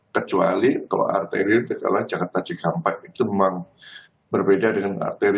kecuali kalau arteri gejala jakarta cikampek itu memang berbeda dengan arteri